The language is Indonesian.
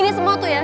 ini semua tuh ya